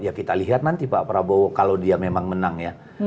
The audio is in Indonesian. ya kita lihat nanti pak prabowo kalau dia memang menang ya